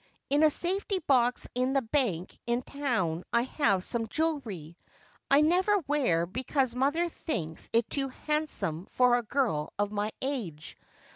In a safety box in the bank in town I have some jewelry I never wear because mother thinks it too handsome for a girl of my age.